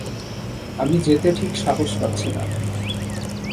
আমি যেতে ঠিক সাহস পাচ্ছি না।